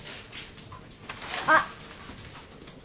あっ。